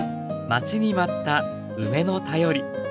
待ちに待った梅の便り。